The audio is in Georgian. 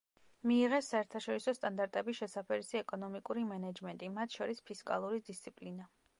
მიიღეს საერთაშორისო სტანდარტების შესაფერისი ეკონომიკური მენეჯმენტი, მათ შორის ფისკალური დისციპლინა.